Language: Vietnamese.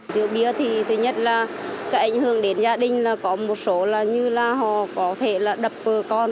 rượu bia thì thứ nhất là cái ảnh hưởng đến gia đình là có một số là như là họ có thể là đập vợ con